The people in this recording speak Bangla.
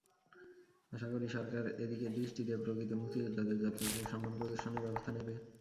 আশা করি, সরকার এদিকে দৃষ্টি দিয়ে প্রকৃত মুক্তিযোদ্ধাদের যথাযথ সম্মান প্রদর্শনের ব্যবস্থা নেবে।